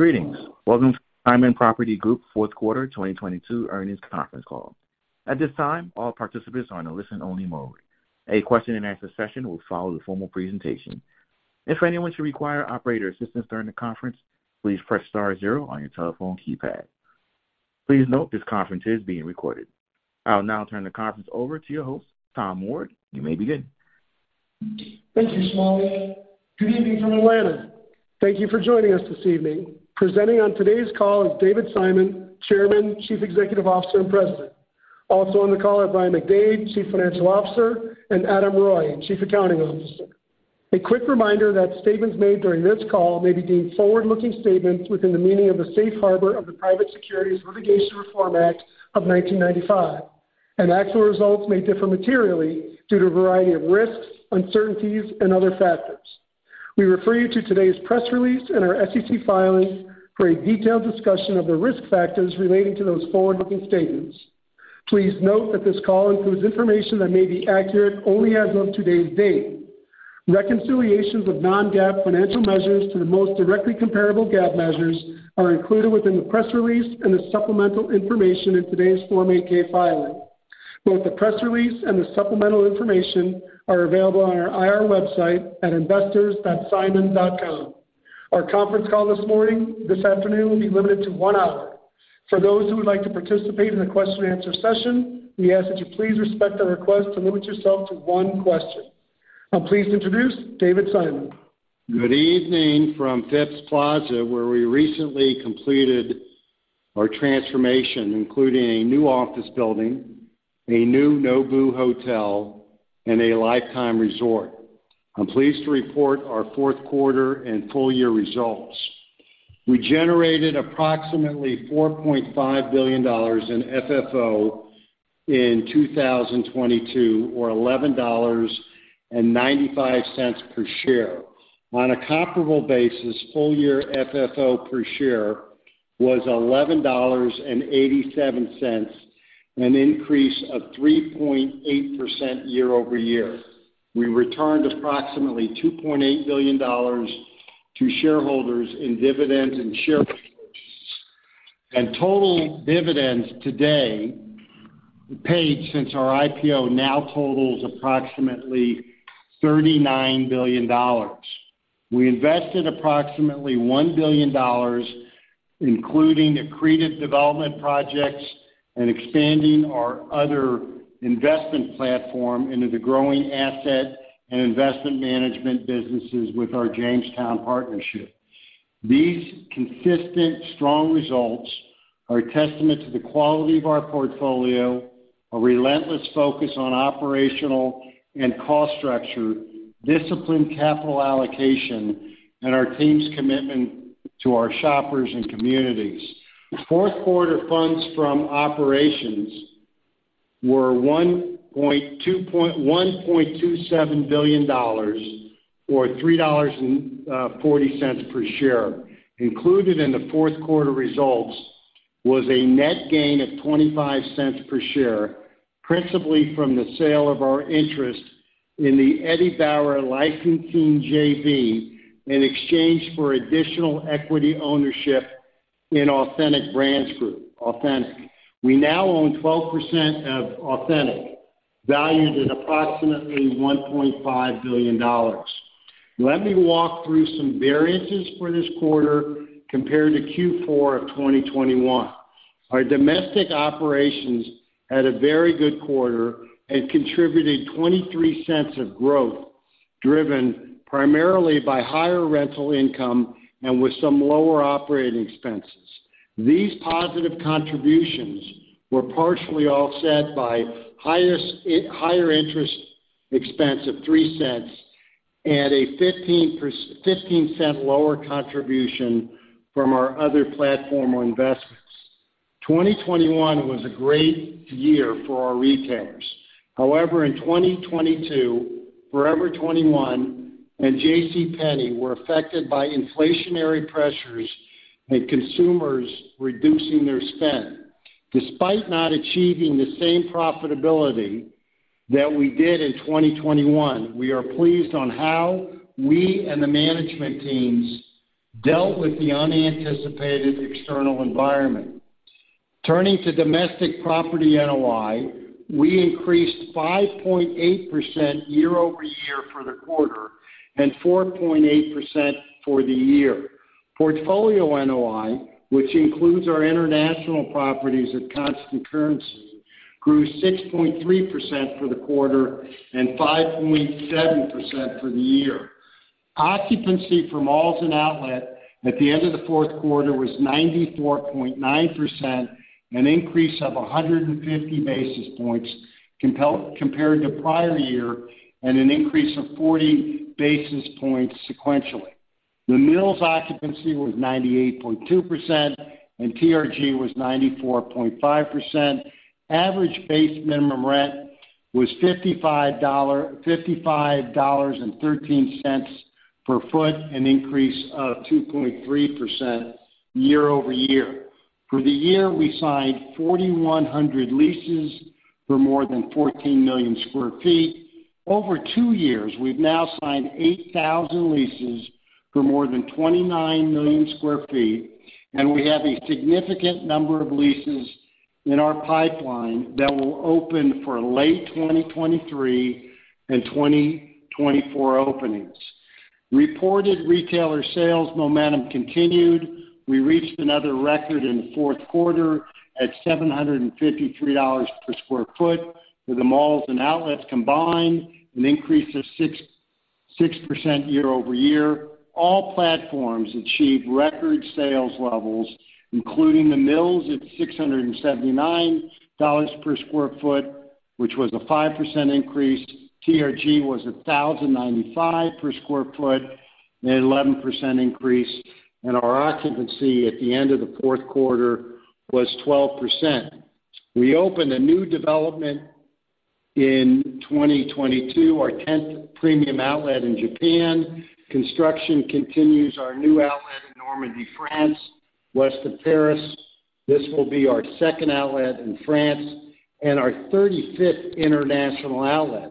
Greetings. Welcome to Simon Property Group fourth quarter 2022 earnings conference call. At this time, all participants are in a listen-only mode. A question-and-answer session will follow the formal presentation. If anyone should require operator assistance during the conference, please press star zero on your telephone keypad. Please note this conference is being recorded. I'll now turn the conference over to your host, Tom Ward. You may begin. Thank you, Sally. Good evening from Atlanta. Thank you for joining us this evening. Presenting on today's call is David Simon, Chairman, Chief Executive Officer, and President. Also on the call are Brian McDade, Chief Financial Officer, and Adam Reuille, Chief Accounting Officer. A quick reminder that statements made during this call may be deemed forward-looking statements within the meaning of the Safe Harbor of the Private Securities Litigation Reform Act of 1995. Actual results may differ materially due to a variety of risks, uncertainties, and other factors. We refer you to today's press release and our SEC filings for a detailed discussion of the risk factors relating to those forward-looking statements. Please note that this call includes information that may be accurate only as of today's date. Reconciliations of non-GAAP financial measures to the most directly comparable GAAP measures are included within the press release and the supplemental information in today's Form 8-K filing. Both the press release and the supplemental information are available on our IR website at investors.simon.com. Our conference call this afternoon will be limited to one hour. For those who would like to participate in the question answer session, we ask that you please respect our request to limit yourself to one question. I'm pleased to introduce David Simon. Good evening from Phipps Plaza, where we recently completed our transformation, including a new office building, a new Nobu Hotel, and a Life Time resort. I'm pleased to report our fourth quarter and full year results. We generated approximately $4.5 billion in FFO in 2022, or $11.95 per share. On a comparable basis, full year FFO per share was $11.87, an increase of 3.8% year-over-year. We returned approximately $2.8 billion to shareholders in dividends and share repurchases. Total dividends today paid since our IPO now totals approximately $39 billion. We invested approximately $1 billion, including accreted development projects and expanding our other investment platform into the growing asset and investment management businesses with our Jamestown partnership. These consistent strong results are a testament to the quality of our portfolio, a relentless focus on operational and cost structure, disciplined capital allocation, and our team's commitment to our shoppers and communities. Fourth quarter funds from operations were $1.27 billion or $3.40 per share. Included in the fourth quarter results was a net gain of $0.25 per share, principally from the sale of our interest in the Eddie Bauer licensing JV in exchange for additional equity ownership in Authentic Brands Group, Authentic. We now own 12% of Authentic, valued at approximately $1.5 billion. Let me walk through some variances for this quarter compared to Q4 of 2021. Our domestic operations had a very good quarter and contributed $0.23 of growth, driven primarily by higher rental income and with some lower operating expenses. These positive contributions were partially offset by higher interest expense of $0.03 and a $0.15 lower contribution from our other platform investments. 2021 was a great year for our retailers. However, in 2022, Forever 21 and JCPenney were affected by inflationary pressures and consumers reducing their spend. Despite not achieving the same profitability that we did in 2021, we are pleased on how we and the management teams dealt with the unanticipated external environment. Turning to domestic property NOI, we increased 5.8% year-over-year for the quarter and 4.8% for the year. Portfolio NOI, which includes our international properties at constant currency, grew 6.3% for the quarter and 5.7% for the year. Occupancy for malls and outlet at the end of the fourth quarter was 94.9%, an increase of 150 basis points compared to prior year and an increase of 40 basis points sequentially. The Mills occupancy was 98.2%, and TRG was 94.5%. Average base minimum rent was $55.13 per foot, an increase of 2.3% year-over-year. For the year, we signed 4,100 leases for more than 14 million sq ft. Over two years, we've now signed 8,000 leases for more than 29 million sq ft. We have a significant number of leases in our pipeline that will open for late 2023 and 2024 openings. Reported retailer sales momentum continued. We reached another record in the fourth quarter at $753 per sq ft for the malls and outlets combined, an increase of 6.6% year-over-year. All platforms achieved record sales levels, including The Mills at $679 per sq ft, which was a 5% increase. TRG was $1,095 per sq ft, an 11% increase. Our occupancy at the end of the fourth quarter was 12%. We opened a new development in 2022, our 10th premium outlet in Japan. Construction continues our new outlet in Normandy, France, west of Paris. This will be our second outlet in France and our 35th international outlet.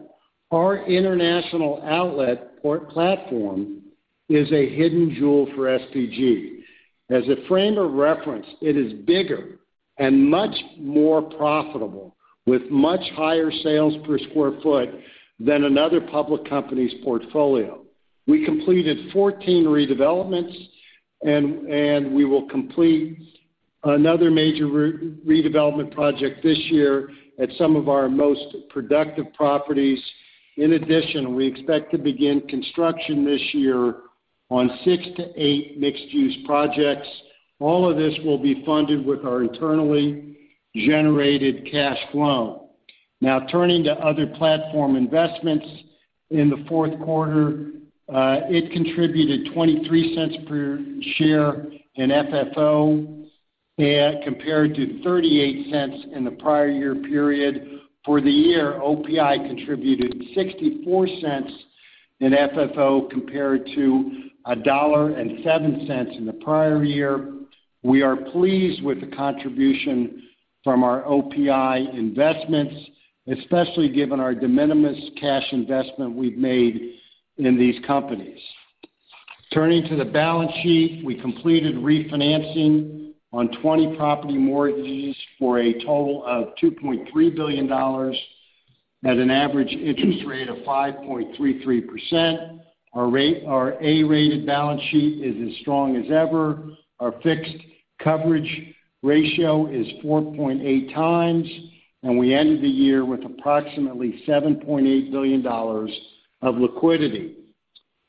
Our international outlet platform is a hidden jewel for SPG. As a frame of reference, it is bigger and much more profitable with much higher sales per square foot than another public company's portfolio. We completed 14 redevelopments and we will complete another major redevelopment project this year at some of our most productive properties. In addition, we expect to begin construction this year on six-eight mixed-use projects. All of this will be funded with our internally generated cash flow. Turning to other platform investments in the fourth quarter, it contributed $0.23 per share in FFO compared to $0.38 in the prior year period. For the year, OPI contributed $0.64 in FFO compared to $1.07 in the prior year. We are pleased with the contribution from our OPI investments, especially given our de minimis cash investment we've made in these companies. Turning to the balance sheet, we completed refinancing on 20 property mortgages for a total of $2.3 billion at an average interest rate of 5.33%. Our A-rated balance sheet is as strong as ever. Our fixed coverage ratio is 4.8x, and we ended the year with approximately $7.8 billion of liquidity.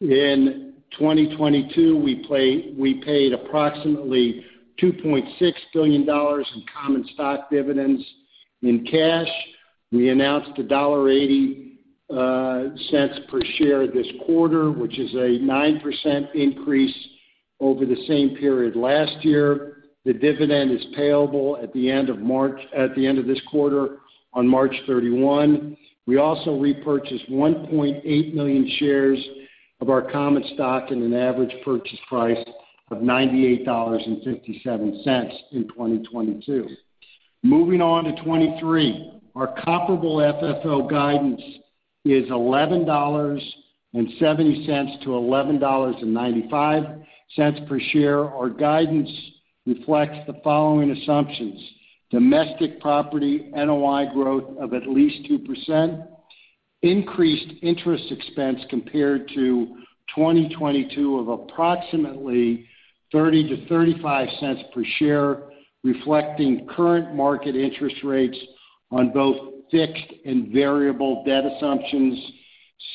In 2022, we paid approximately $2.6 billion in common stock dividends in cash. We announced $1.80 per share this quarter, which is a 9% increase over the same period last year. The dividend is payable at the end of this quarter on March 31. We also repurchased 1.8 million shares of our common stock at an average purchase price of $98.57 in 2022. Moving on to 2023. Our comparable FFO guidance is $11.70-$11.95 per share. Our guidance reflects the following assumptions: Domestic property NOI growth of at least 2%, increased interest expense compared to 2022 of approximately $0.30-$0.35 per share, reflecting current market interest rates on both fixed and variable debt assumptions.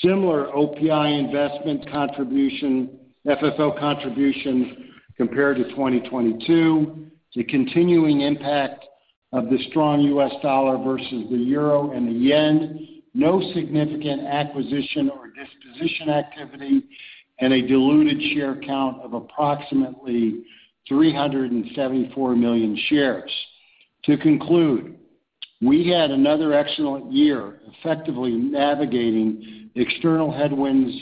Similar OPI investment FFO contribution compared to 2022. The continuing impact of the strong US dollar versus the euro and the yen. No significant acquisition or disposition activity, and a diluted share count of approximately 374 million shares. To conclude, we had another excellent year, effectively navigating external headwinds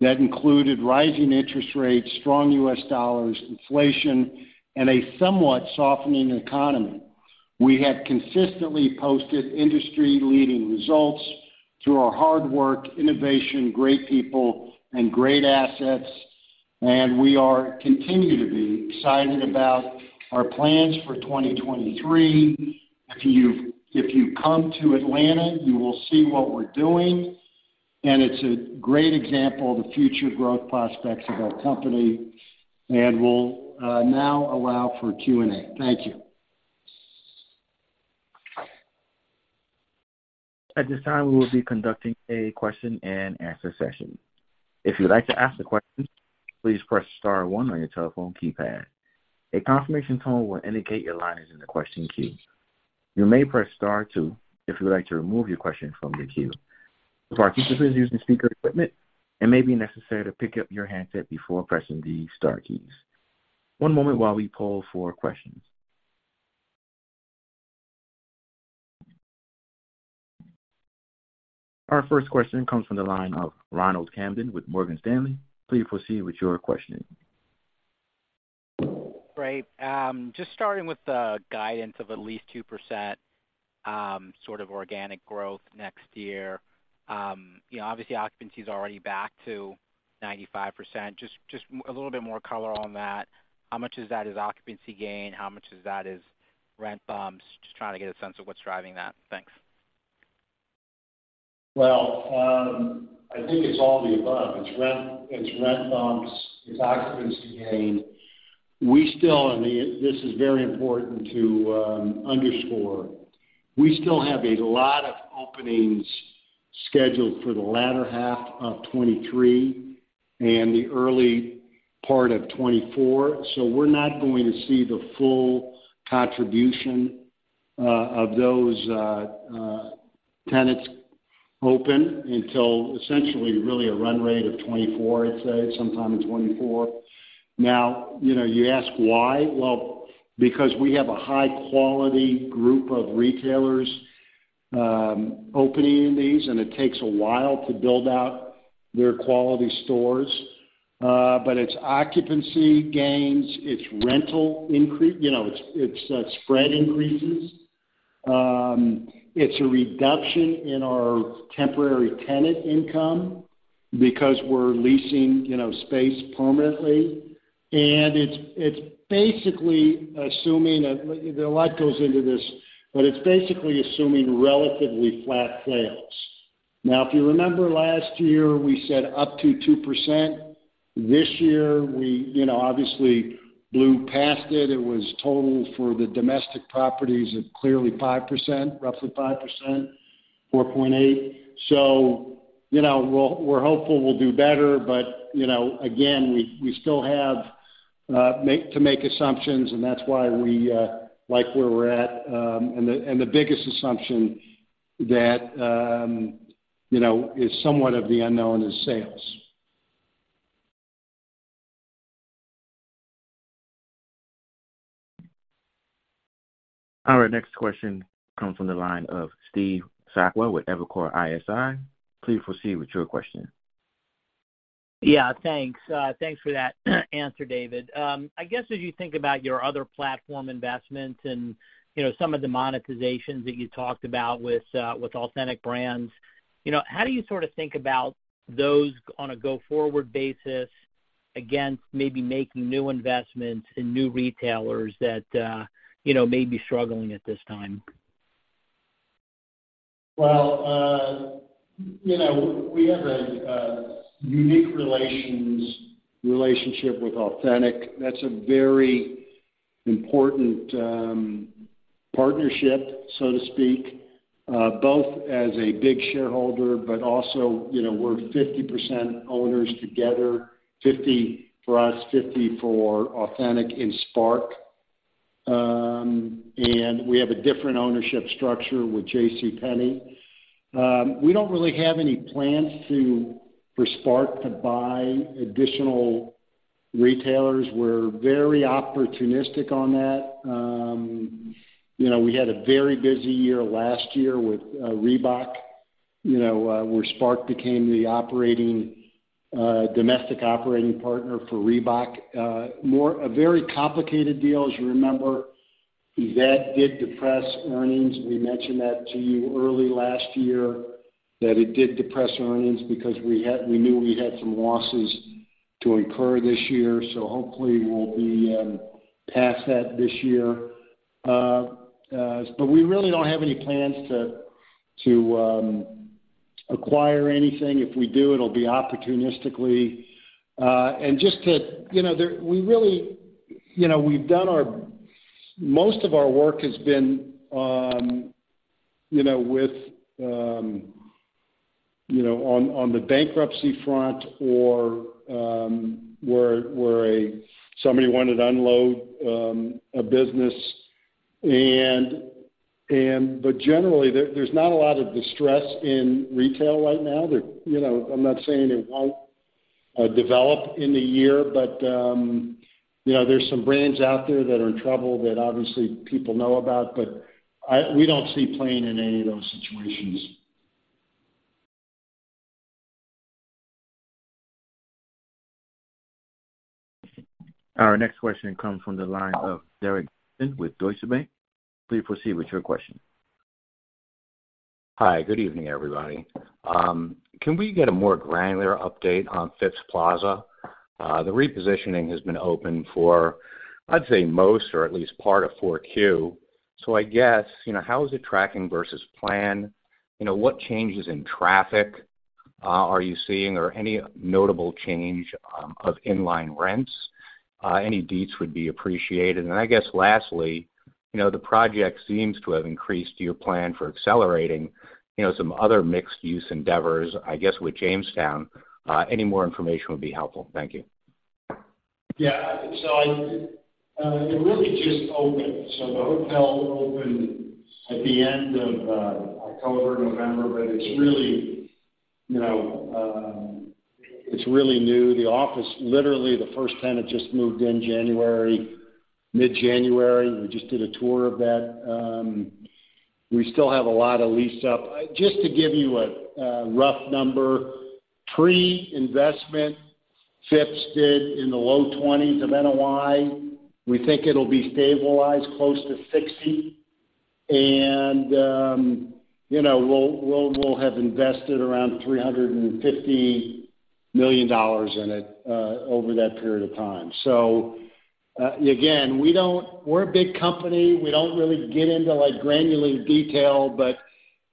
that included rising interest rates, strong US dollars, inflation, and a somewhat softening economy. We have consistently posted industry-leading results through our hard work, innovation, great people, and great assets, we are continuing to be excited about our plans for 2023. If you come to Atlanta, you will see what we're doing and it's a great example of the future growth prospects of our company. We'll now allow for Q&A. Thank you. At this time, we will be conducting a question-and-answer session. If you'd like to ask a question, please press star one on your telephone keypad. A confirmation tone will indicate your line is in the question queue. You may press star two if you would like to remove your question from the queue. Participants using speaker equipment, it may be necessary to pick up your handset before pressing the star keys. One moment while we poll for questions. Our first question comes from the line of Ronald Kamdem with Morgan Stanley. Please proceed with your questioning. Great. just starting with the guidance of at least 2%, sort of organic growth next year. you know, obviously, occupancy is already back to 95%. Just a little bit more color on that. How much of that is occupancy gain? How much of that is rent bumps? Just trying to get a sense of what's driving that. Thanks. I think it's all of the above. It's rent, it's rent bumps, it's occupancy gain. We still, and this is very important to underscore, we still have a lot of openings scheduled for the latter half of 2023 and the early part of 2024. We're not going to see the full contribution of those tenants open until essentially really a run rate of 2024, I'd say, sometime in 2024. You know, you ask why. Because we have a high quality group of retailers opening these, and it takes a while to build out their quality stores. But it's occupancy gains, it's rental increase, you know, it's spread increases. It's a reduction in our temporary tenant income because we're leasing, you know, space permanently. It's, it's basically assuming... There a lot goes into this. It's basically assuming relatively flat sales. If you remember last year, we said up to 2%. This year, we, you know, obviously blew past it. It was total for the domestic properties of clearly 5%, roughly 5%, 4.8%. You know, we're hopeful we'll do better, you know, again, we still have to make assumptions, and that's why we like where we're at. And the biggest assumption that, you know, is somewhat of the unknown is sales. All right, next question comes from the line of Steve Sakwa with Evercore ISI. Please proceed with your question. Yeah, thanks. Thanks for that answer, David. I guess, as you think about your other platform investments and, you know, some of the monetizations that you talked about with Authentic Brands, you know, how do you sort of think about those on a go-forward basis against maybe making new investments in new retailers that, you know, may be struggling at this time? Well, you know, we have a unique relationship with Authentic. That's a very important partnership, so to speak, both as a big shareholder, but also, you know, we're 50% owners together, 50 for us, 50 for Authentic and SPARC. We have a different ownership structure with JCPenney. We don't really have any plans for SPARC to buy additional retailers. We're very opportunistic on that. You know, we had a very busy year last year with Reebok, you know, where SPARC became the operating domestic operating partner for Reebok. More a very complicated deal, as you remember. That did depress earnings. We mentioned that to you early last year, that it did depress earnings because we knew we had some losses to incur this year, so hopefully, we'll be past that this year. We really don't have any plans to acquire anything. If we do, it'll be opportunistically. Just to, you know, we really, you know, we've done our Most of our work has been, you know, with, you know, on the bankruptcy front or where somebody wanted to unload a business. Generally, there's not a lot of distress in retail right now. You know, I'm not saying it won't develop in the year, but, you know, there's some brands out there that are in trouble that obviously people know about, but we don't see playing in any of those situations. Our next question comes from the line of Derek Johnston with Deutsche Bank. Please proceed with your question. Hi, good evening, everybody. Can we get a more granular update on Phipps Plaza? The repositioning has been open for, I'd say, most or at least part of 4Q. I guess, you know, how is it tracking versus plan? You know, what changes in traffic are you seeing or any notable change of inline rents? Any deets would be appreciated. I guess lastly, you know, the project seems to have increased your plan for accelerating, you know, some other mixed-use endeavors, I guess, with Jamestown. Any more information would be helpful. Thank you. It really just opened. The hotel opened at the end of October, November, but it's really, you know, It's really new. The office, literally the first tenant just moved in January, mid-January. We just did a tour of that. We still have a lot of lease up. Just to give you a rough number, pre-investment, Phipps did in the low 20s of NOI. We think it'll be stabilized close to 60 and, you know, we'll have invested around $350 million in it over that period of time. Again, we don't. We're a big company. We don't really get into, like, granular detail, but,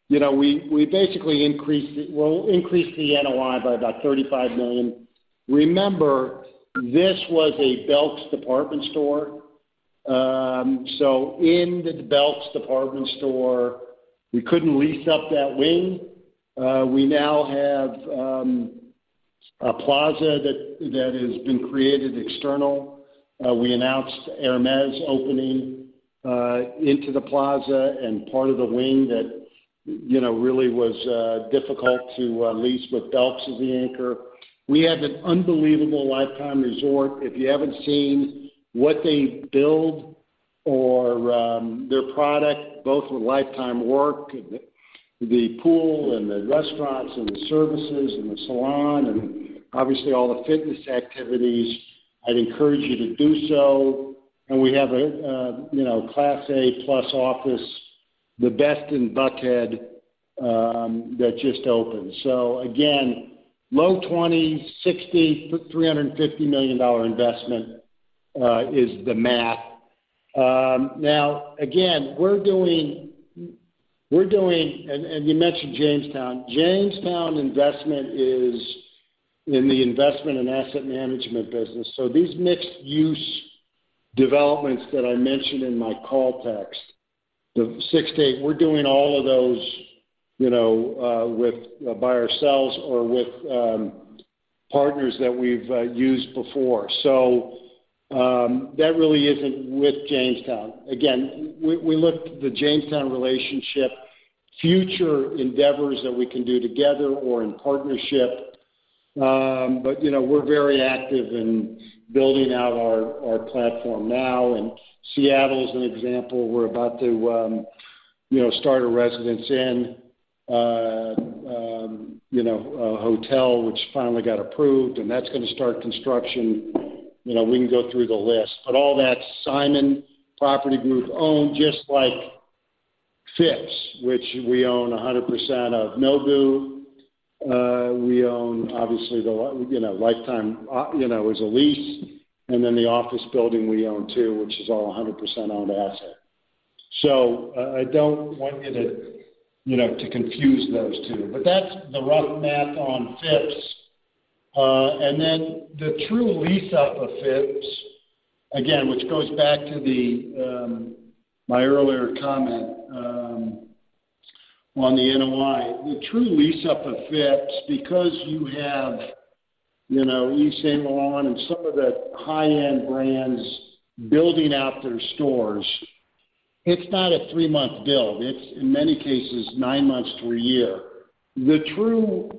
you know, we basically we'll increase the NOI by about $35 million. Remember, this was a Belk department store. So in the Belk department store, we couldn't lease up that wing. We now have a plaza that has been created external. We announced Hermès opening into the plaza and part of the wing that, you know, really was difficult to lease with Belk as the anchor. We have an unbelievable Life Time resort. If you haven't seen what they build or their product, both with Life Time Work, the pool and the restaurants and the services and the salon and obviously all the fitness activities, I'd encourage you to do so. We have a, you know, class A plus office, the best in Buckhead, that just opened. So again, low 20, 60, $350 million investment is the math. Now again, we're doing. You mentioned Jamestown. Jamestown investment is in the investment and asset management business. These mixed-use developments that I mentioned in my call text, the six-eight, we're doing all of those, you know, by ourselves or with partners that we've used before. That really isn't with Jamestown. Again, we look the Jamestown relationship future endeavors that we can do together or in partnership. You know, we're very active in building out our platform now, and Seattle is an example. We're about to, you know, start a Residence Inn, you know, a hotel which finally got approved, and that's gonna start construction. You know, we can go through the list, all that's Simon Property Group owned, just like Phipps, which we own 100% of. Nobu, we own obviously the, you know, Life Time, you know, is a lease. The office building we own too, which is all a 100% owned asset. I don't want you to, you know, to confuse those two. That's the rough math on Phipps. The true lease up of Phipps, again, which goes back to the, my earlier comment, on the NOI. The true lease up of Phipps, because you have, you know, Yves Saint Laurent and some of the high-end brands building out their stores, it's not a three-month build. It's in many cases nine months to a year. The true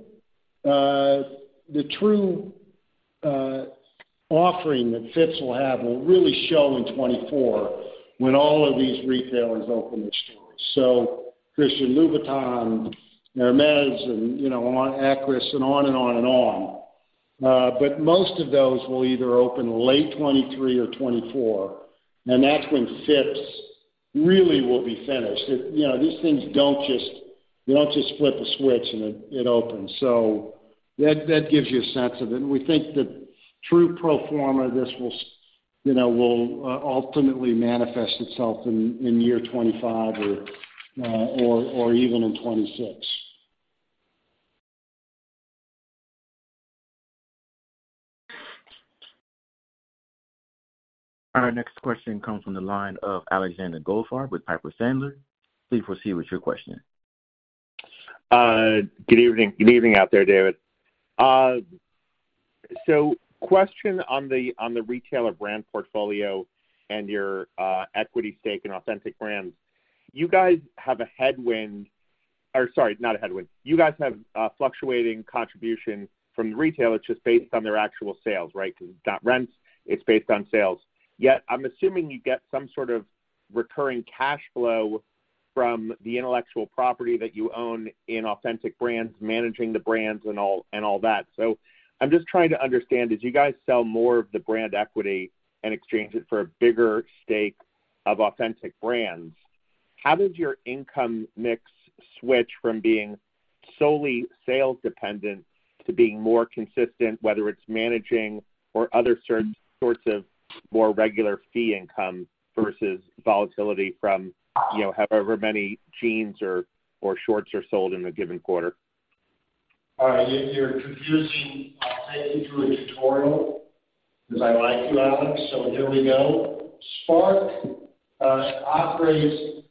offering that Phipps will have will really show in 2024 when all of these retailers open their stores. Christian Louboutin, Hermès, and, you know, Akris and on and on and on. Most of those will either open late 2023 or 2024, and that's when Phipps really will be finished. You know, these things don't just flip a switch and it opens. That gives you a sense of it, and we think the true pro forma of this will, you know, ultimately manifest itself in year 2025 or even in 2026. Our next question comes from the line of Alexander Goldfarb with Piper Sandler. Please proceed with your question. Good evening. Good evening out there, David. Question on the retailer brand portfolio and your equity stake in Authentic Brands. You guys have a headwind. Or sorry, not a headwind. You guys have a fluctuating contribution from the retailers just based on their actual sales, right? Because it's not rents, it's based on sales. Yet, I'm assuming you get some sort of recurring cash flow from the intellectual property that you own in Authentic Brands, managing the brands and all, and all that. I'm just trying to understand, as you guys sell more of the brand equity and exchange it for a bigger stake of Authentic Brands, how does your income mix switch from being solely sales dependent to being more consistent, whether it's managing or other sorts of more regular fee income versus volatility from, you know, however many jeans or shorts are sold in a given quarter? All right. You're confusing... I'll take you through a tutorial because I like you, Alex. Here we go. SPARC operates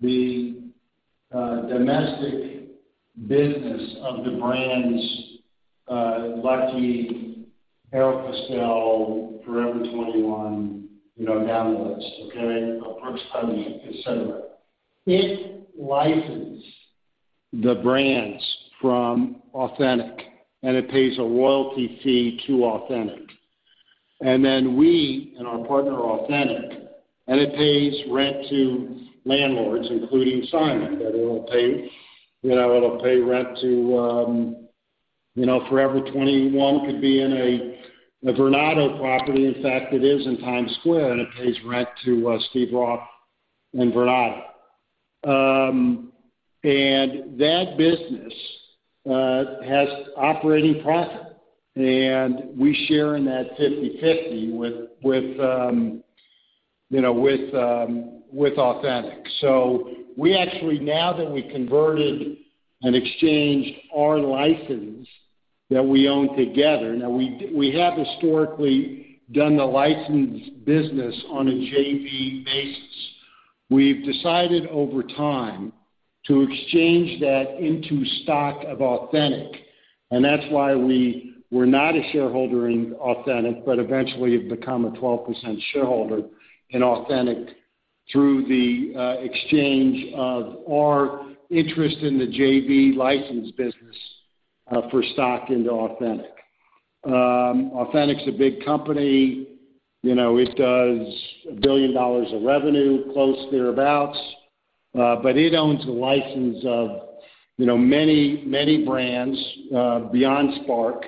the domestic business of the brands Lucky, Aéropostale, Forever 21, you know, down the list, okay? Brooks Brothers, et cetera. It licenses the brands from Authentic, and it pays a royalty fee to Authentic. Then we and our partner, Authentic, and it pays rent to landlords, including Simon, that it'll pay, you know, it'll pay rent to, you know, Forever 21 could be in a Vornado property. In fact, it is in Times Square, and it pays rent to Steven Roth and Vornado. That business has operating profit, and we share in that 50/50 with, you know, with Authentic. We actually now that we converted and exchanged our license that we own together. Now we have historically done the license business on a JV basis. We've decided over time to exchange that into stock of Authentic, and that's why we were not a shareholder in Authentic, but eventually have become a 12% shareholder in Authentic through the exchange of our interest in the JV license business for stock into Authentic. Authentic's a big company. You know, it does $1 billion of revenue, close thereabouts, but it owns the license of, you know, many, many brands, beyond SPARC.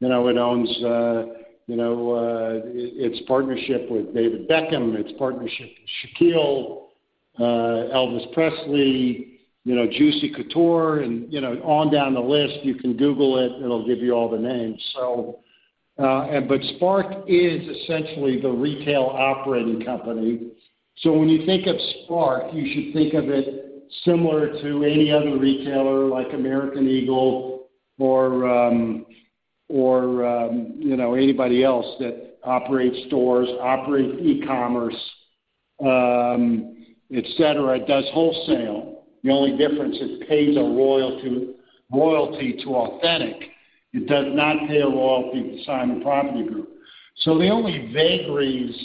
You know, it owns its partnership with David Beckham, its partnership with Shaquille, Elvis Presley, you know, Juicy Couture and, you know, on down the list, you can Google it'll give you all the names. SPARC is essentially the retail operating company. When you think of SPARC, you should think of it similar to any other retailer like American Eagle or, you know, anybody else that operates stores, operates e-commerce, et cetera, does wholesale. The only difference, it pays a royalty to Authentic. It does not pay a royalty to Simon Property Group. The only vagaries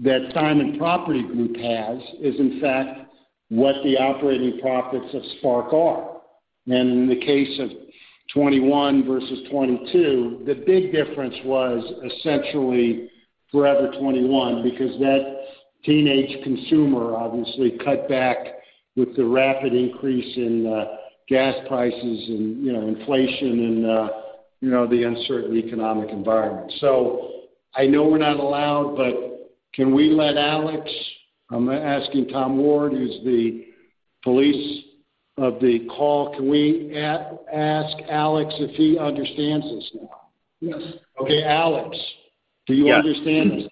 that Simon Property Group has is in fact what the operating profits of SPARC are. In the case of 21 versus 22, the big difference was essentially Forever 21 because that teenage consumer obviously cut back with the rapid increase in gas prices and, you know, inflation and, you know, the uncertain economic environment. I know we're not allowed, but can we let Alex... I'm asking Tom Ward, who's the police of the call. Can we ask Alex if he understands this now? Yes. Okay, Alex, do you understand this? Yes.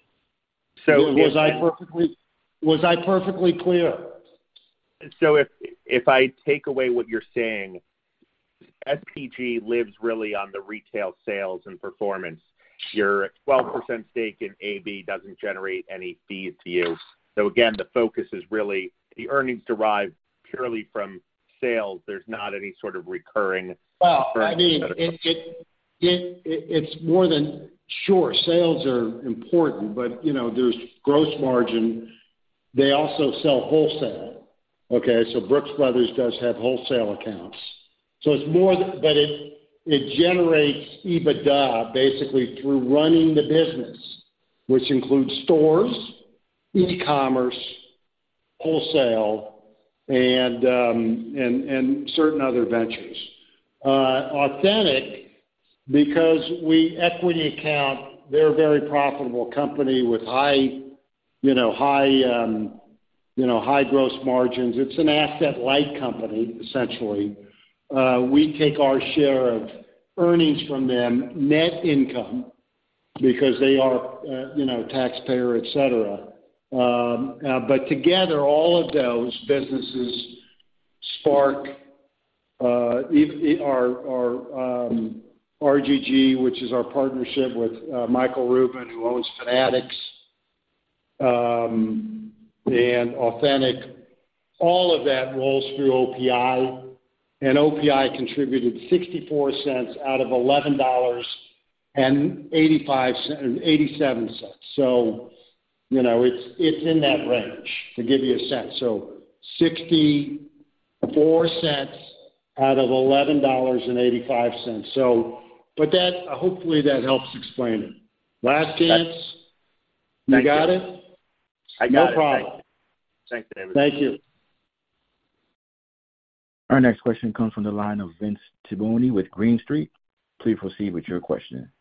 Was I perfectly clear? If I take away what you're saying, SPG lives really on the retail sales and performance. Your 12% stake in AB doesn't generate any fees to you. Again, the focus is really the earnings derived purely from sales. There's not any sort of recurring- It's more than. Sure, sales are important, you know, there's gross margin. They also sell wholesale, okay? Brooks Brothers does have wholesale accounts. It's more that it generates EBITDA basically through running the business, which includes stores, e-commerce, wholesale, and certain other ventures. Authentic, because we equity account, they're a very profitable company with high, you know, high, you know, high gross margins. It's an asset-light company, essentially. We take our share of earnings from them, net income, because they are, you know, taxpayer, et cetera. Together, all of those businesses, SPARC, RGG, which is our partnership with Michael Rubin, who owns Fanatics, and Authentic, all of that rolls through OPI, and OPI contributed $0.64 out of $11.87. you know, it's in that range to give you a sense. $0.64 out of $11.85. that... Hopefully, that helps explain it. Last chance. You got it? I got it. No problem. Thank you, David. Thank you. Our next question comes from the line of Vince Tibone with Green Street. Please proceed with your question.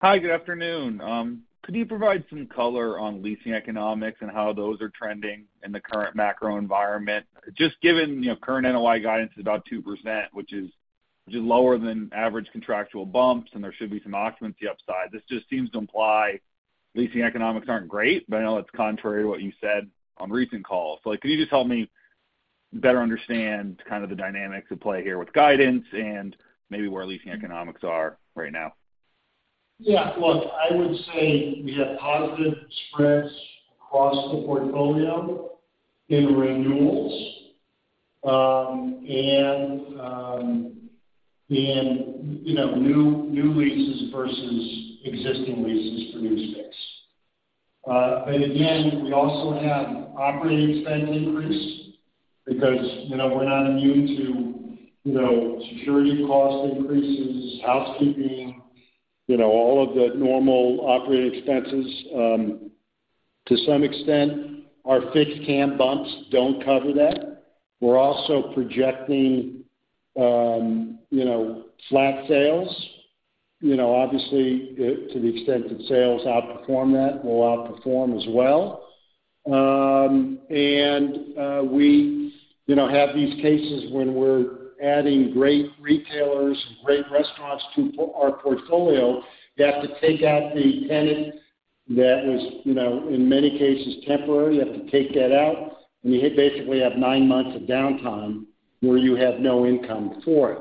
Hi, good afternoon. Could you provide some color on leasing economics and how those are trending in the current macro environment? Given, you know, current NOI guidance is about 2%, which is just lower than average contractual bumps, and there should be some occupancy upside. This just seems to imply leasing economics aren't great, but I know it's contrary to what you said on recent calls. Can you just help me better understand kind of the dynamics at play here with guidance and maybe where leasing economics are right now? Yeah. Look, I would say we have positive spreads across the portfolio in renewals, you know, new leases versus existing leases produce mix. Again, we also have operating expense increase because, you know, we're not immune to, you know, security cost increases, housekeeping, you know, all of the normal operating expenses. To some extent, our fixed CAM bumps don't cover that. We're also projecting, you know, flat sales. You know, obviously, to the extent that sales outperform that will outperform as well. We, you know, have these cases when we're adding great retailers, great restaurants to our portfolio, you have to take out the tenant that was, you know, in many cases temporary. You have to take that out, and you hit basically have 9 months of downtime where you have no income for it.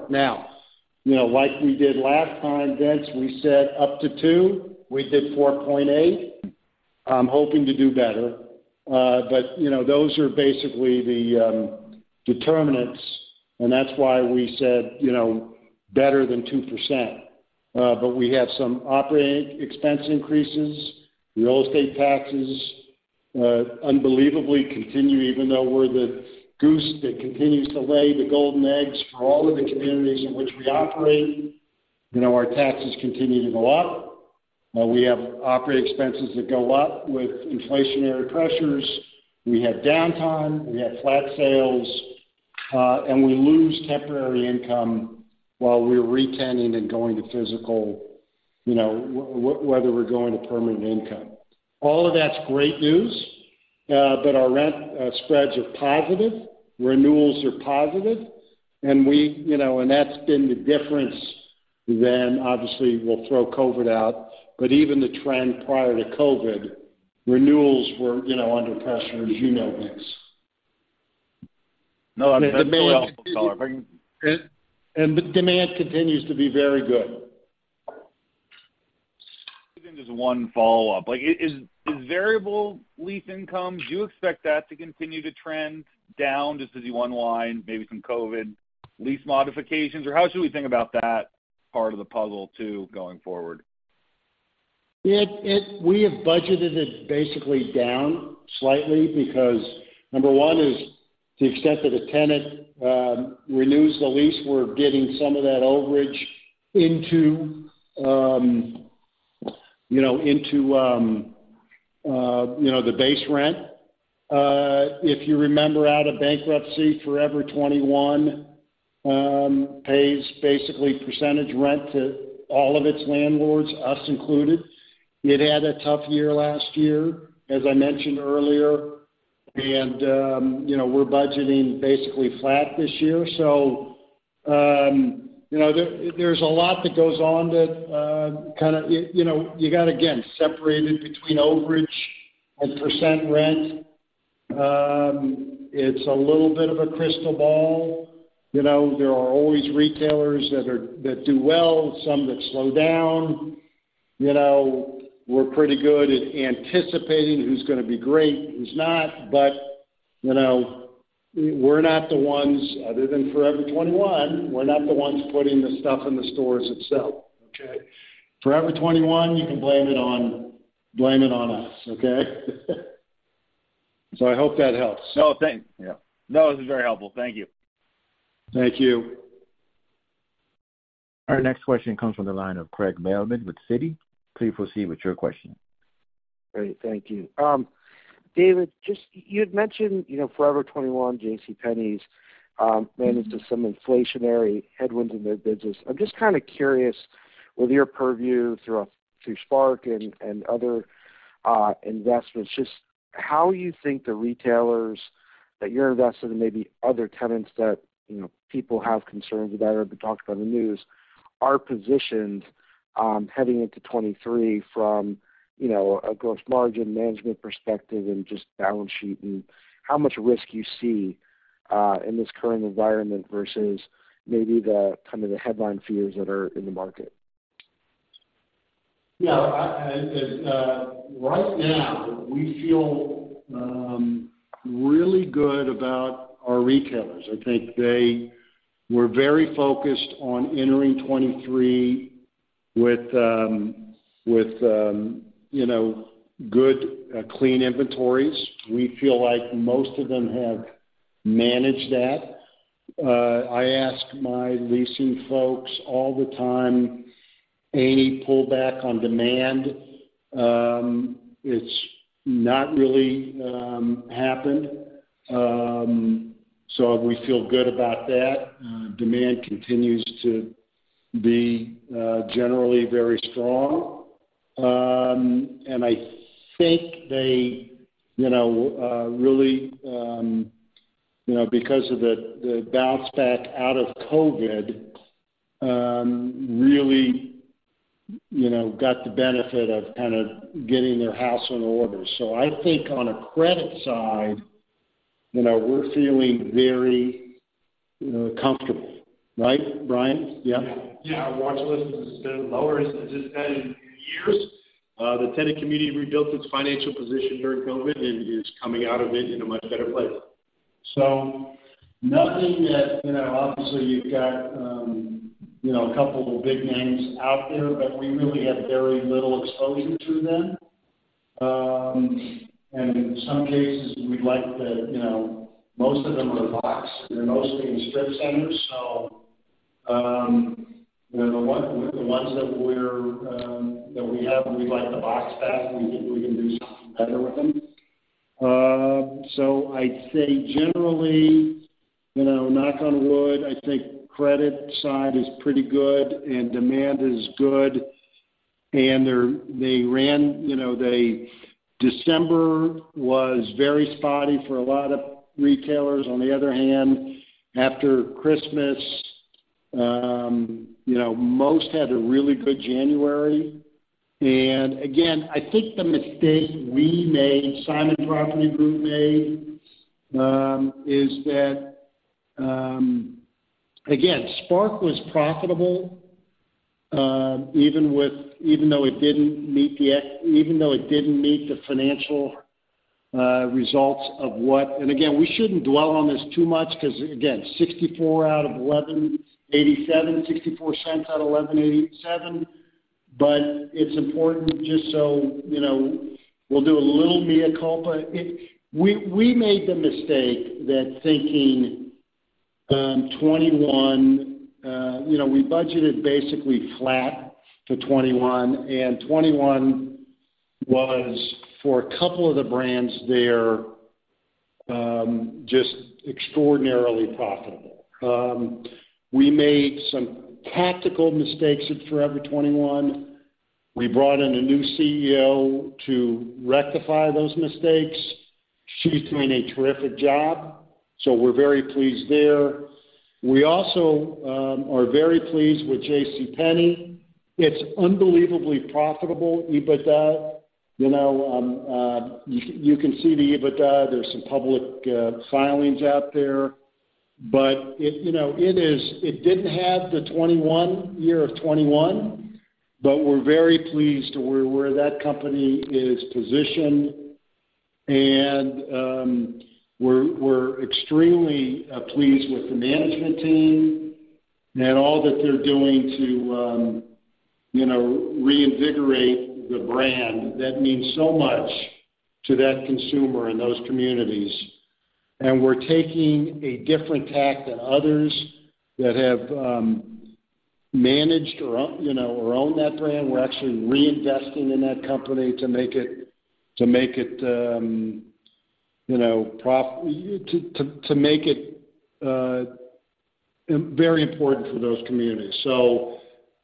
You know, like we did last time, Vince, we said up to 2%, we did 4.8%. I'm hoping to do better. You know, those are basically the determinants, and that's why we said, you know, better than 2%. We have some operating expense increases. Real estate taxes, unbelievably continue even though we're the goose that continues to lay the golden eggs for all of the communities in which we operate. You know, our taxes continue to go up. We have operating expenses that go up with inflationary pressures. We have downtime, we have flat sales, and we lose temporary income while we're re-tenning and going to physical, you know, whether we're going to permanent income. All of that's great news, our rent spreads are positive, renewals are positive. We, you know, and that's been the difference then obviously we'll throw COVID out, but even the trend prior to COVID, renewals were, you know, under pressure, as you know, Vince. No, that's very helpful, however. Demand continues to be very good. Just one follow-up. Like is variable lease income, do you expect that to continue to trend down just as you unwind maybe some COVID lease modifications? Or how should we think about that part of the puzzle too, going forward? It We have budgeted it basically down slightly because number one is to the extent that a tenant renews the lease, we're getting some of that overage into, you know, into, you know, the base rent. If you remember out of bankruptcy, Forever 21 pays basically percentage rent to all of its landlords, us included. It had a tough year last year, as I mentioned earlier, and, you know, we're budgeting basically flat this year. You know, there's a lot that goes on that kinda, you know, you got again, separated between overage and percent rent. It's a little bit of a crystal ball. You know, there are always retailers that do well, some that slow down. You know, we're pretty good at anticipating who's gonna be great, who's not, but, you know, we're not the ones other than Forever 21, we're not the ones putting the stuff in the stores itself, okay? Forever 21, you can blame it on us, okay? I hope that helps. No, thank. Yeah. No, this is very helpful. Thank you. Thank you. Our next question comes from the line of Craig Mailman with Citi. Please proceed with your question. Great. Thank you. David, just you'd mentioned, you know, Forever 21, JCPenney, managed some inflationary headwinds in their business. I'm just kinda curious, with your purview through SPARC and other investments, just how you think the retailers that you're invested in, maybe other tenants that, you know, people have concerns about or been talked about in the news, are positioned, heading into 2023 from, you know, a gross margin management perspective and just balance sheet, and how much risk you see, in this current environment versus maybe the kind of the headline fears that are in the market. Yeah. I, right now we feel really good about our retailers. I think they were very focused on entering 2023 with, you know, good, clean inventories. We feel like most of them have managed that. I ask my leasing folks all the time, any pullback on demand, it's not really happened. We feel good about that. Demand continues to be generally very strong. I think they, you know, really, you know, because of the bounce back out of COVID, really, you know, got the benefit of kind of getting their house in order. I think on a credit side, you know, we're feeling very comfortable. Right, Brian? Yeah. Yeah. Our watch list has been lower as it has been in years. The tenant community rebuilt its financial position during COVID and is coming out of it in a much better place. Nothing that, you know, obviously, you've got, you know, a couple of big names out there, but we really have very little exposure to them. In some cases, we'd like the, you know, most of them are box. They're mostly in strip centers, so, you know, the ones that we're, that we have, we'd like the box back. We think we can do something better with them. I'd say generally, you know, knock on wood, I think credit side is pretty good and demand is good. They ran, you know, December was very spotty for a lot of retailers. On the other hand, after Christmas, you know, most had a really good January. Again, I think the mistake we made, Simon Property Group made, is that, again, SPARC was profitable, even though it didn't meet the financial results of what. Again, we shouldn't dwell on this too much because, again, $0.64 out of $11.87, $0.64 out of $11.87. It's important just so, you know, we'll do a little mea culpa. We made the mistake that thinking, 2021, you know, we budgeted basically flat to 2021, and 2021 was for a couple of the brands there, just extraordinarily profitable. We made some tactical mistakes at Forever 21. We brought in a new CEO to rectify those mistakes. She's doing a terrific job, we're very pleased there. We also are very pleased with JCPenney. It's unbelievably profitable EBITDA. You know, you can see the EBITDA. There's some public filings out there. It, you know, it is it didn't have the 21, year of 2021, but we're very pleased where that company is positioned. We're extremely pleased with the management team and all that they're doing to, you know, reinvigorate the brand. That means so much to that consumer and those communities. We're taking a different tact than others that have managed or own, you know, or own that brand. We're actually reinvesting in that company to make it, you know, to make it very important for those communities.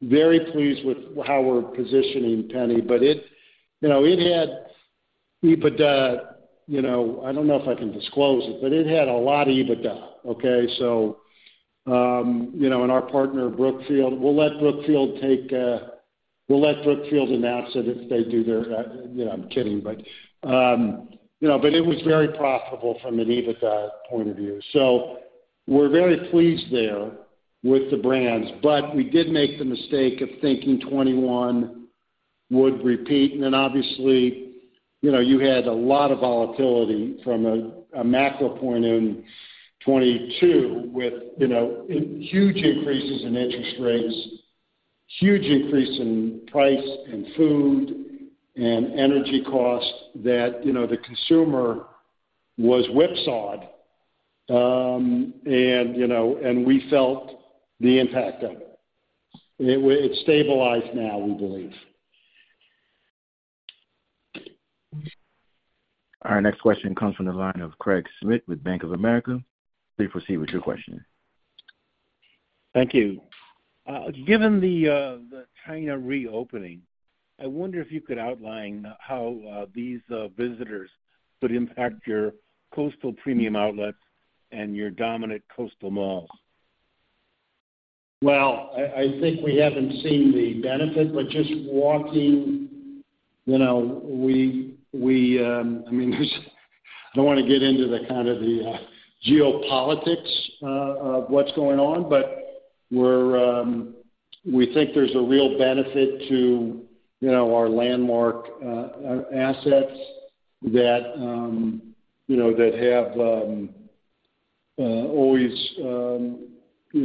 Very pleased with how we're positioning Penney. It, you know, it had EBITDA, you know... I don't know if I can disclose it, but it had a lot of EBITDA, okay? You know, and our partner, Brookfield, we'll let Brookfield announce it if they do their... You know, I'm kidding, but, you know, but it was very profitable from an EBITDA point of view. We're very pleased there with the brands. We did make the mistake of thinking 2021 would repeat. Obviously, you know, you had a lot of volatility from a macro point in 2022 with, you know, huge increases in interest rates, huge increase in price and food and energy costs that, you know, the consumer was whipsawed. You know, and we felt the impact of it. It's stabilized now, we believe. Our next question comes from the line of Craig Schmidt with Bank of America. Please proceed with your question. Thank you. Given the China reopening, I wonder if you could outline how these visitors could impact your coastal premium outlets and your dominant coastal malls? Well, I think we haven't seen the benefit, but just walking, you know, we, I mean, I don't wanna get into the kind of the geopolitics of what's going on, but we're, we think there's a real benefit to, you know, our landmark assets that, you know, that have always, you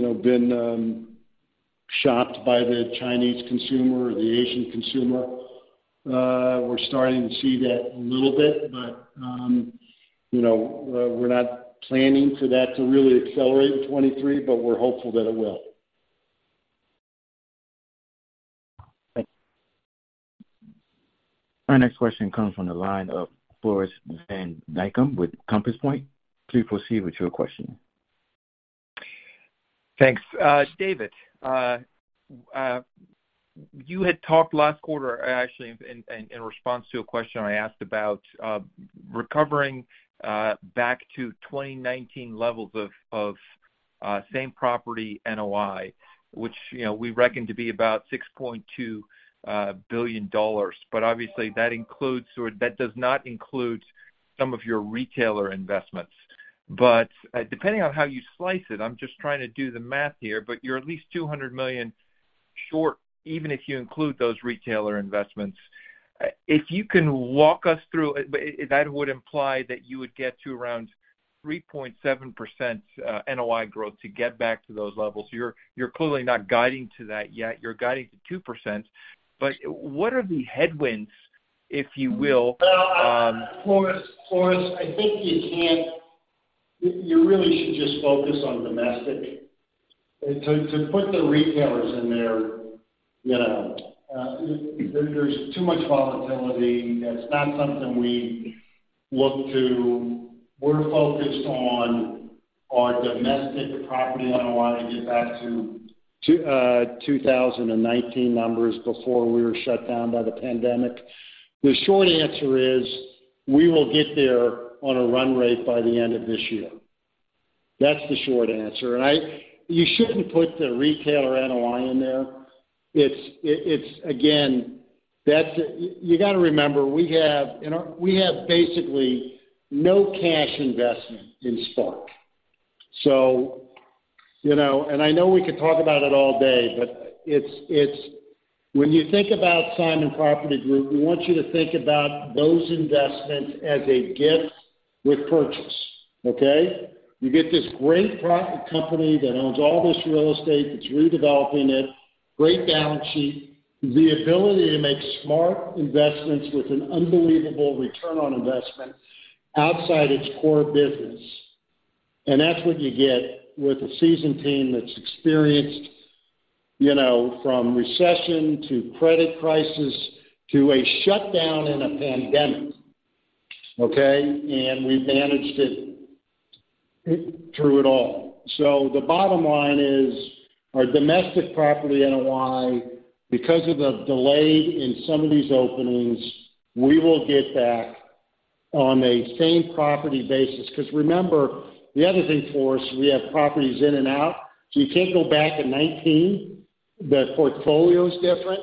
know, been shopped by the Chinese consumer or the Asian consumer. We're starting to see that a little bit. You know, we're not planning for that to really accelerate in 2023, but we're hopeful that it will. Thank you. Our next question comes from the line of Floris van Dijkum with Compass Point. Please proceed with your question. Thanks. David, you had talked last quarter, actually in, in response to a question I asked about recovering back to 2019 levels of same property NOI, which, you know, we reckon to be about $6.2 billion. Obviously, that includes or that does not include some of your retailer investments. Depending on how you slice it, I'm just trying to do the math here, you're at least $200 million short, even if you include those retailer investments. If you can walk us through... That would imply that you would get to around 3.7% NOI growth to get back to those levels. You're clearly not guiding to that yet. You're guiding to 2%. What are the headwinds, if you will? Well, Floris, I think you can't. You really should just focus on domestic. To put the retailers in there, you know, there's too much volatility. That's not something we look to. We're focused on our domestic property NOI to get back to 2019 numbers before we were shut down by the pandemic. The short answer is we will get there on a run rate by the end of this year. That's the short answer. You shouldn't put the retailer NOI in there. It's again, that's. You got to remember, we have, you know, we have basically no cash investment in SPARC. You know, I know we could talk about it all day, it's. When you think about Simon Property Group, we want you to think about those investments as a gift with purchase, okay? You get this great company that owns all this real estate, that's redeveloping it, great balance sheet, the ability to make smart investments with an unbelievable return on investment outside its core business. That's what you get with a seasoned team that's experienced, you know, from recession to credit crisis to a shutdown in a pandemic, okay? We've managed it through it all. The bottom line is our domestic property NOI, because of the delay in some of these openings, we will get back on a same property basis. Remember, the other thing for us, we have properties in and out, so you can't go back in 2019. The portfolio is different.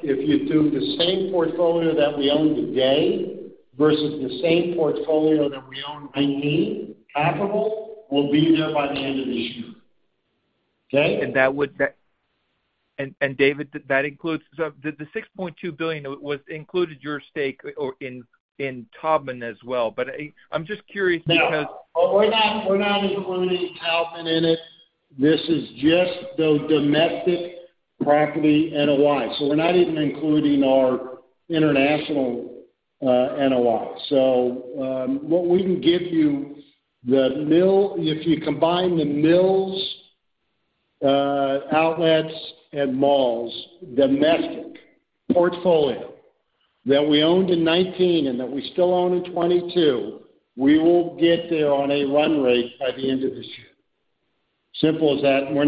If you do the same portfolio that we own today versus the same portfolio that we own in 2019, capital will be there by the end of this year. Okay? That would... David, that includes... The $6.2 billion included your stake or in Taubman as well. I'm just curious because- No. We're not including Taubman in it. This is just the domestic property NOI. We're not even including our international NOI. What we can give you, if you combine the mills, outlets, and malls domestic portfolio that we owned in 2019 and that we still own in 2022, we will get there on a run rate by the end of this year. Simple as that. We're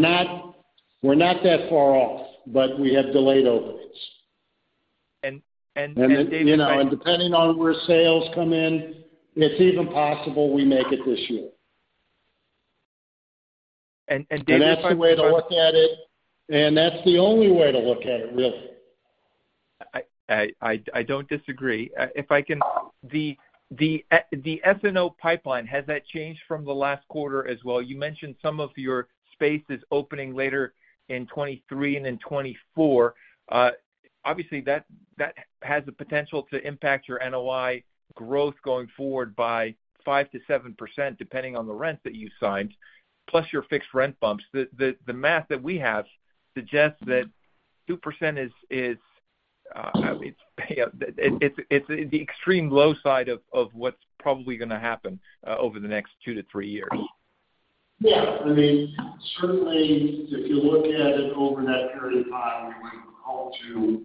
not that far off, but we have delayed openings. David- You know, and depending on where sales come in, it's even possible we make it this year. David- That's the way to look at it, and that's the only way to look at it, really. I don't disagree. If I can. The SNO pipeline, has that changed from the last quarter as well? You mentioned some of your space is opening later in 2023 and in 2024. Obviously, that has the potential to impact your NOI growth going forward by 5%-7%, depending on the rent that you signed, plus your fixed rent bumps. The math that we have suggests that 2% is, it's the extreme low side of what's probably gonna happen over the next two-three years. Yeah. I mean, certainly if you look at it over that period of time, we would hope to,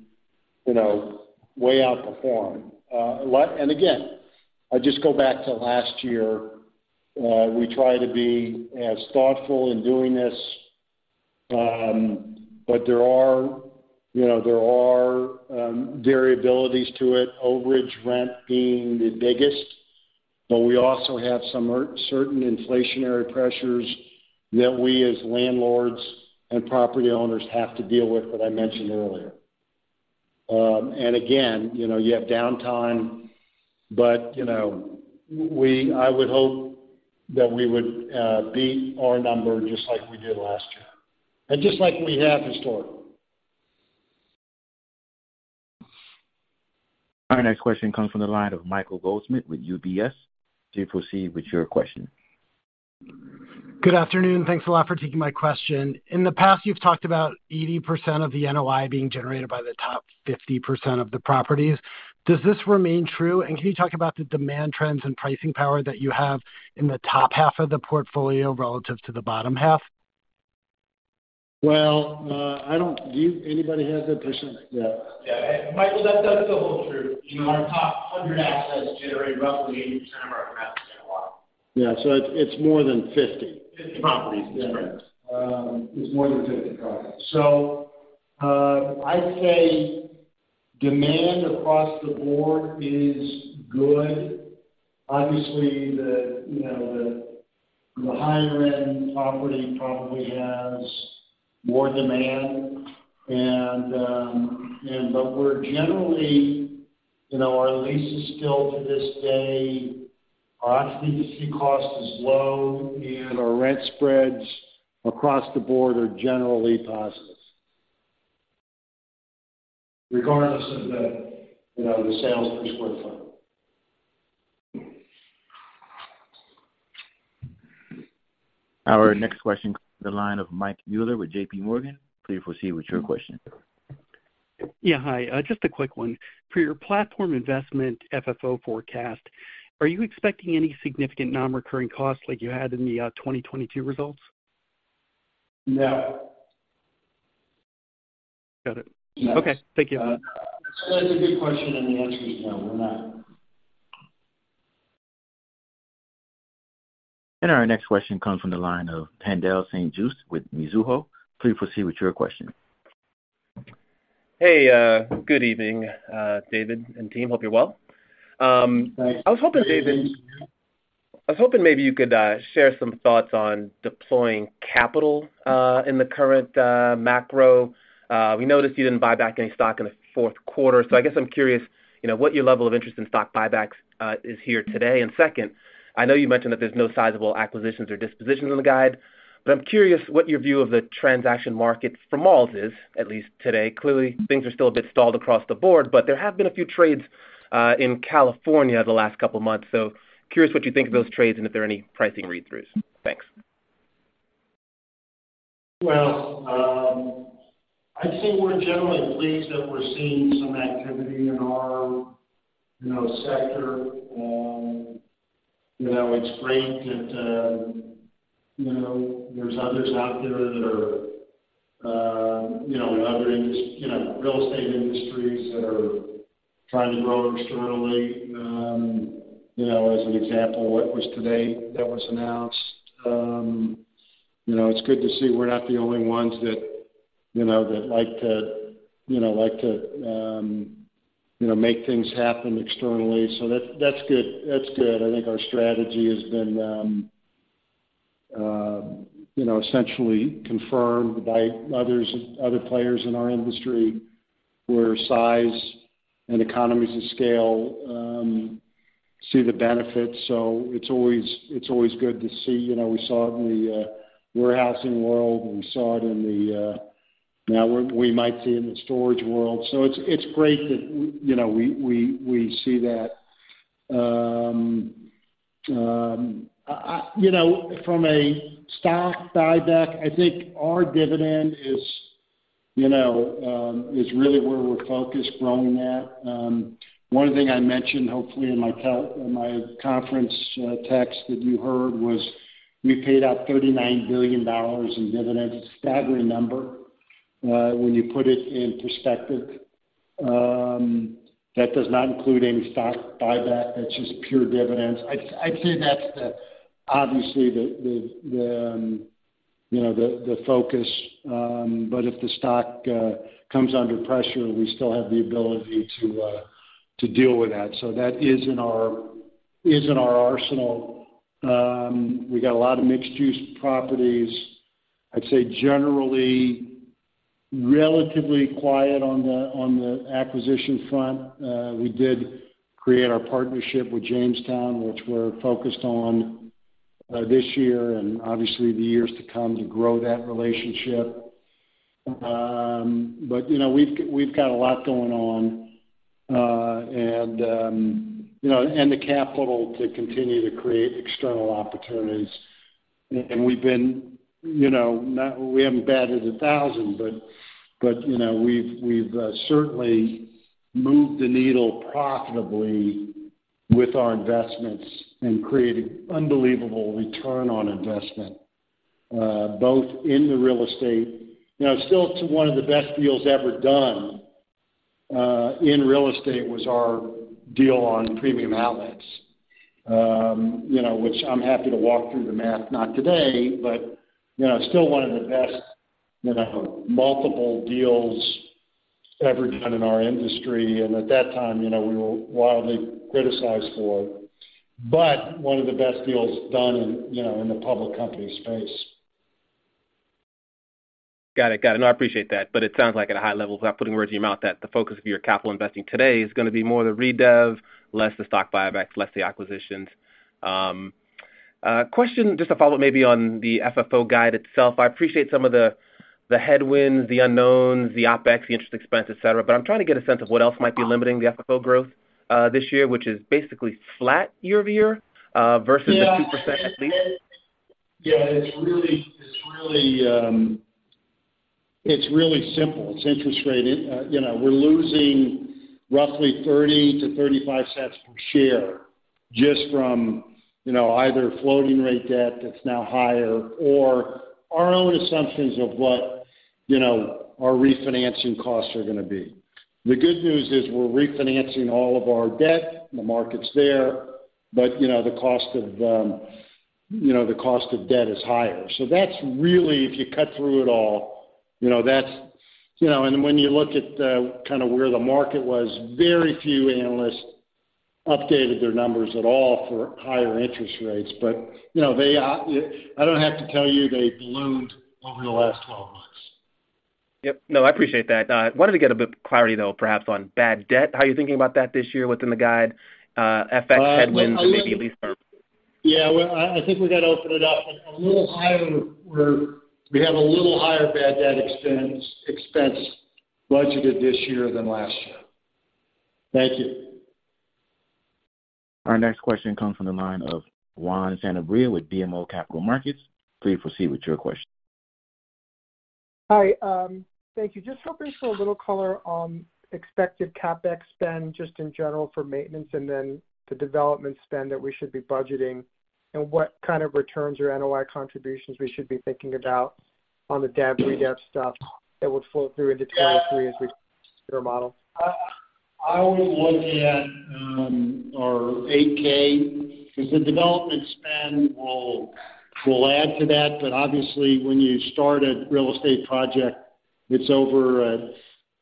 you know, way outperform. Again, I just go back to last year. We try to be as thoughtful in doing this, but there are, you know, there are variabilities to it, overage rent being the biggest, but we also have some certain inflationary pressures that we as landlords and property owners have to deal with that I mentioned earlier. Again, you know, you have downtime, but, you know, I would hope that we would beat our number just like we did last year, and just like we have historically. Our next question comes from the line of Michael Goldsmith with UBS. Please proceed with your question. Good afternoon. Thanks a lot for taking my question. In the past, you've talked about 80% of the NOI being generated by the top 50% of the properties. Does this remain true? Can you talk about the demand trends and pricing power that you have in the top half of the portfolio relative to the bottom half? I don't... anybody has that question? Yeah. Yeah. Michael, that holds true. You know, our top 100 assets generate roughly 80% of our gross NOI. Yeah. it's more than 50-... properties. Yeah. It's more than 50 properties. I'd say demand across the board is good. Obviously, the, you know, the higher end property probably has more demand and but we're generally you know, our leases still to this day, our occupancy cost is low and our rent spreads across the board are generally positive. Regardless of the, you know, the sales per square foot. Our next question comes from the line of Mike Mueller with JPMorgan. Please proceed with your question. Yeah, hi. Just a quick one. For your platform investment FFO forecast, are you expecting any significant non-recurring costs like you had in the 2022 results? No. Got it. No. Okay. Thank you. That's a good question. The answer is no, we're not. Our next question comes from the line of Haendel St. Juste with Mizuho. Please proceed with your question. Hey, good evening, David and team. Hope you're well. I was hoping, David, maybe you could share some thoughts on deploying capital in the current macro. We noticed you didn't buy back any stock in the fourth quarter. I guess I'm curious, you know, what your level of interest in stock buybacks is here today. Second, I know you mentioned that there's no sizable acquisitions or dispositions on the guide. I'm curious what your view of the transaction market for malls is, at least today. Clearly, things are still a bit stalled across the board. There have been a few trades in California the last couple of months. Curious what you think of those trades and if there are any pricing read-throughs. Thanks. Well, I'd say we're generally pleased that we're seeing some activity in our, you know, sector. You know, it's great that, you know, there's others out there that are, you know, in other, you know, real estate industries that are trying to grow externally. You know, as an example, what was today that was announced. You know, it's good to see we're not the only ones that like to, you know, make things happen externally. That's good. I think our strategy has been, you know, essentially confirmed by others, other players in our industry, where size and economies of scale, see the benefits. It's always good to see. You know, we saw it in the warehousing world, and we saw it in the... Now we might see in the storage world. It's, it's great that, you know, we, we see that. you know, from a stock buyback, I think our dividend is, you know, is really where we're focused growing at. One thing I mentioned, hopefully in my conference text that you heard was we paid out $39 billion in dividends. It's a staggering number when you put it in perspective. That does not include any stock buyback. That's just pure dividends. I'd say that's the, obviously the, you know, the focus. If the stock comes under pressure, we still have the ability to deal with that. That is in our arsenal. We got a lot of mixed-use properties. I'd say generally relatively quiet on the, on the acquisition front. We did create our partnership with Jamestown, which we're focused on, this year and obviously the years to come to grow that relationship. You know, we've got a lot going on, and, you know, and the capital to continue to create external opportunities. We've been, you know, We haven't batted a thousand, but, you know, we've certainly moved the needle profitably with our investments and created unbelievable return on investment, both in the real estate. You know, still to one of the best deals ever done, in real estate was our deal on premium outlets. You know, which I'm happy to walk through the math, not today, but, you know, still one of the best, you know, multiple deals ever done in our industry. At that time, you know, we were wildly criticized for, but one of the best deals done in, you know, in the public company space. Got it. Got it. No, I appreciate that. It sounds like at a high level, without putting words in your mouth, that the focus of your capital investing today is gonna be more the redev, less the stock buybacks, less the acquisitions. Question, just to follow up maybe on the FFO guide itself. I appreciate some of the headwinds, the unknowns, the OpEx, the interest expense, et cetera. I'm trying to get a sense of what else might be limiting the FFO growth this year, which is basically flat year-over-year versus the 2% at least. Yeah, it's really simple. It's interest rate. You know, we're losing roughly $0.30-$0.35 per share just from, you know, either floating rate debt that's now higher or our own assumptions of what, you know, our refinancing costs are gonna be. The good news is we're refinancing all of our debt. The market's there. You know, the cost of, you know, the cost of debt is higher. That's really, if you cut through it all, you know, that's. You know, when you look at, kind of where the market was, very few analysts updated their numbers at all for higher interest rates, you know, they, I don't have to tell you they've loomed over the last 12 months. Yep. No, I appreciate that. Wanted to get a bit clarity, though, perhaps on bad debt, how are you thinking about that this year within the guide, FX headwinds, and maybe lease? Yeah. Well, I think we gotta open it up. A little higher. We have a little higher bad debt expense budgeted this year than last year. Thank you. Our next question comes from the line of Juan Sanabria with BMO Capital Markets. Please proceed with your question. Hi. Thank you. Just hoping for a little color on expected CapEx spend just in general for maintenance, and then the development spend that we should be budgeting and what kind of returns or NOI contributions we should be thinking about on the dev, redev stuff that would flow through into 2023 as we your model? I would look at our Form 8-K, because the development spend will add to that. Obviously, when you start a real estate project, it's over a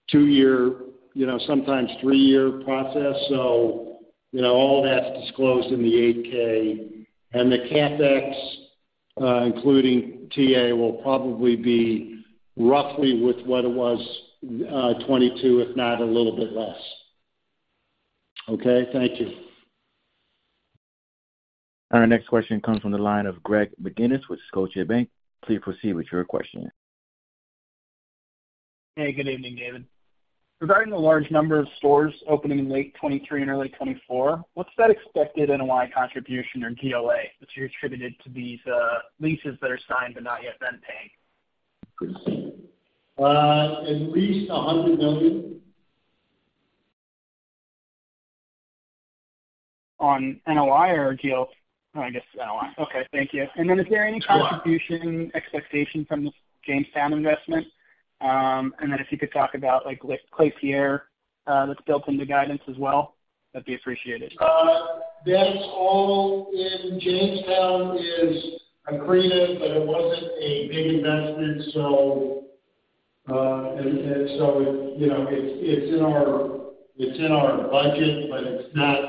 two year, you know, sometimes three year process. You know, all that's disclosed in the Form 8-K. The CapEx, including TA will probably be roughly with what it was, 2022, if not a little bit less. Okay, thank you. Our next question comes from the line of Greg McGinniss with Scotiabank. Please proceed with your question. Hey, good evening, David. Regarding the large number of stores opening in late 2023 and early 2024, what's that expected NOI contribution or GOA that's attributed to these leases that are signed but not yet been paying? At least $100 million. On NOI or GOA? I guess NOI. Okay. Thank you. Is there any contribution expectation from the Jamestown investment? If you could talk about, like, with Klépierre, that's built into guidance as well, that'd be appreciated. That's all in. Jamestown is accretive, but it wasn't a big investment, so, and so, you know, it's in our, it's in our budget, but it's not,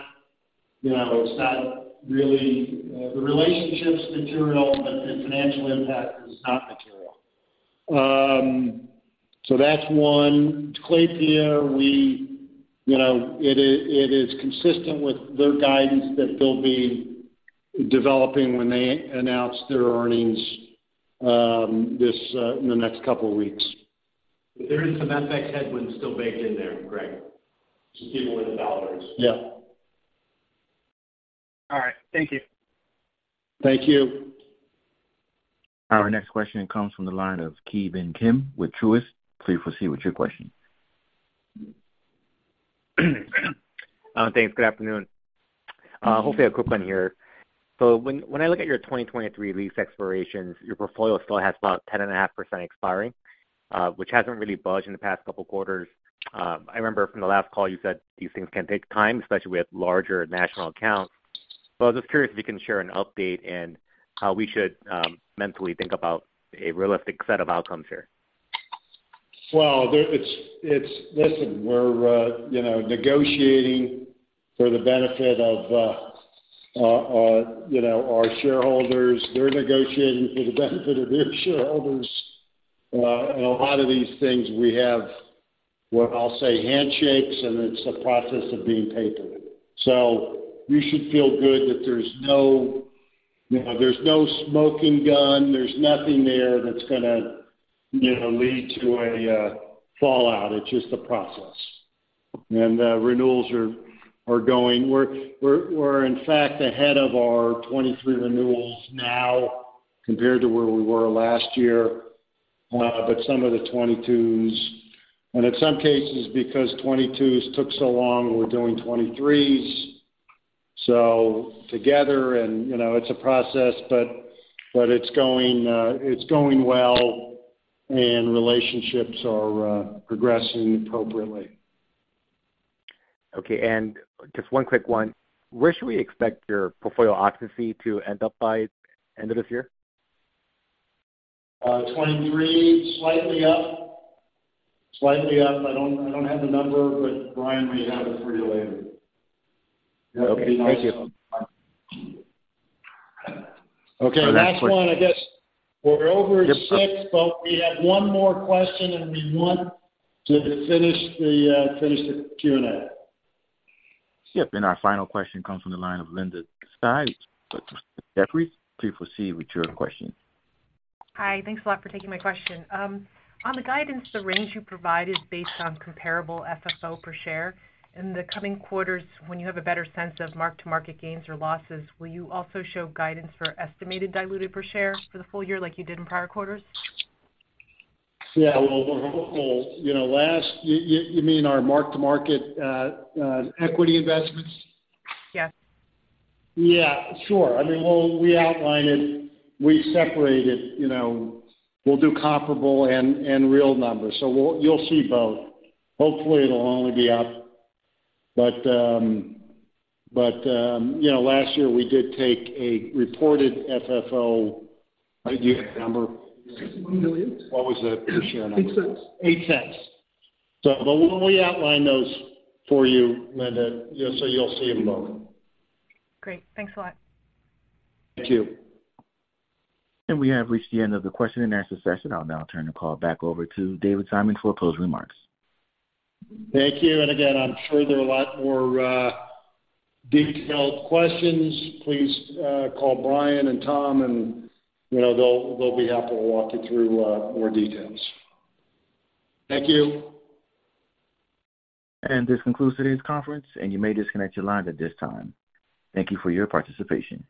you know, it's not really. The relationship's material, but the financial impact is not material. That's one. Klépierre. You know, it is consistent with their guidance that they'll be developing when they announce their earnings, this in the next couple of weeks. There is some FX headwinds still baked in there, Greg. Just keep it within the boundaries. Yeah. All right. Thank you. Thank you. Our next question comes from the line of Ki Bin Kim with Truist. Please proceed with your question. Thanks. Good afternoon. Hopefully a quick one here. When I look at your 2023 lease expirations, your portfolio still has about 10.5% expiring, which hasn't really budged in the past couple quarters. I remember from the last call you said these things can take time, especially with larger national accounts. I was just curious if you can share an update and how we should mentally think about a realistic set of outcomes here. Well, Listen, we're, you know, negotiating for the benefit of, you know, our shareholders. They're negotiating for the benefit of their shareholders. A lot of these things we have what I'll say handshakes, and it's a process of being papered. You should feel good that there's no, you know, there's no smoking gun, there's nothing there that's gonna, you know, lead to a fallout. It's just a process. Renewals are going. We're in fact ahead of our 2023 renewals now compared to where we were last year. Some of the 2022s. In some cases, because 2022s took so long, we're doing 2023s. Together, you know, it's a process, but it's going, it's going well and relationships are progressing appropriately. Okay. Just one quick one. Where should we expect your portfolio occupancy to end up by end of this year? 2023, slightly up. Slightly up. I don't have the number, but Brian may have it for you later. Okay. Thank you. Okay, last one. I guess we're over at six, but we have one more question, and we want to finish the finish the Q&A. Yep. Our final question comes from the line of Linda Tsai with Jefferies. Please proceed with your question. Hi. Thanks a lot for taking my question. On the guidance, the range you provided based on comparable FFO per share, in the coming quarters, when you have a better sense of mark-to-market gains or losses, will you also show guidance for estimated diluted per share for the full year like you did in prior quarters? Yeah, well, we're hopeful. You know, last... You mean our mark-to-market equity investments? Yes. Yeah, sure. I mean, we outlined it, we separated, you know. We'll do comparable and real numbers. You'll see both. Hopefully, it'll only be up. But, you know, last year we did take a reported FFO... Do you have the number? $61 million. What was the per share number? $0.08. $0.08. We'll outline those for you, Linda. You'll see them both. Great. Thanks a lot. Thank you. We have reached the end of the question-and-answer session. I'll now turn the call back over to David Simon for closing remarks. Thank you. Again, I'm sure there are a lot more, detailed questions. Please, call Brian and Tom and, you know, they'll be happy to walk you through, more details. Thank you. This concludes today's conference, and you may disconnect your lines at this time. Thank you for your participation.